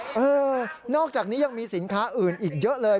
นอกจากนี้ยังมีสินค้าอื่นอีกเยอะเลย